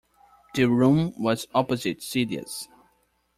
The room was opposite Celia's.